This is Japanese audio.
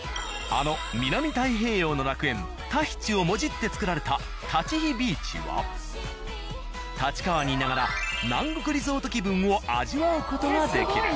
あの南太平洋の楽園タヒチをもじって作られたタチヒビーチは立川にいながら南国リゾート気分を味わう事ができる。